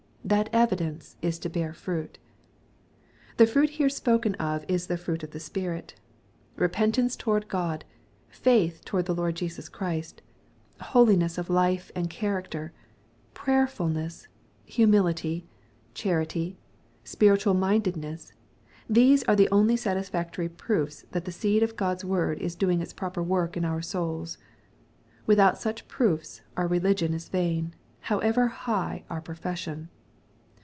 That evidence is to bear fruit. The fruit here spoken of is the fruit of the Spirit. Bepentance towards God, faith towards the Lord Jesus Christ, holiness of life and character, prayerfulness, hu mility, charity, spiritual mindedness — these are the only satisfactory proofs that the seed of God's word is doing its proper work in our souls. Without such proofs, oui religion is vain, however high our profession.